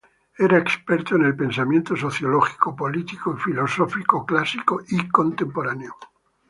Fue experto en el pensamiento sociológico, político y filosófico clásico y contemporáneo.